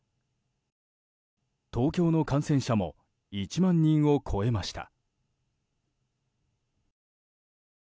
東京の感染者も１万人を超えました。